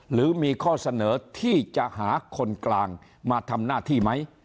หรือมีข้อเสนอที่จะหาคนกลางมาทำหน้าที่ไหม